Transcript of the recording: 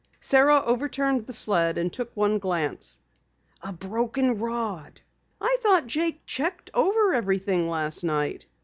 Sara overturned the sled and took one glance. "A broken rod." "I thought Jake checked over everything last night."